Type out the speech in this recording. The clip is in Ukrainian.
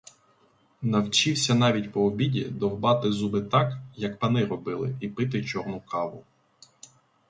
Навчився навіть по обіді довбати зуби так, як пани робили, і пити чорну каву.